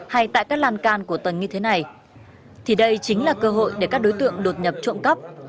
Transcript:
hay tại các lan can của tuần như thế này thì đây chính là cơ hội để các đối tượng đột nhập trộm cắp